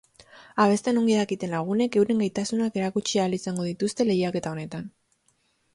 Abesten ongi dakiten lagunek euren gaitasunak erakutsi ahal izango dituzte lehiaketa honetan.